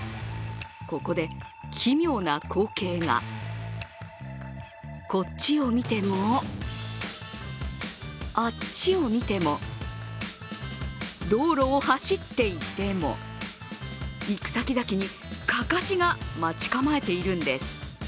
ここで、奇妙な光景がこっちを見てもあっちを見ても道路を走っていても行くさきざきに、かかしが待ち構えているのです。